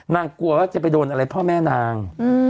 กลัวว่าจะไปโดนอะไรพ่อแม่นาง